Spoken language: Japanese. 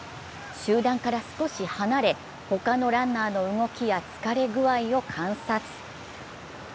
集団から少し離れ、他のランナーの動きや疲れ具合を観察。